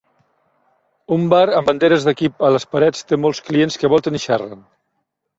Un bar amb banderes d'equip a les parets té molts clients que volten i xerren.